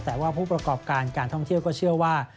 แต่ว่าผู้ประกอบการการท่องเที่ยวก็เชื่อว่า